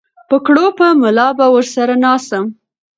په کړوپه ملا به ورسره ناڅم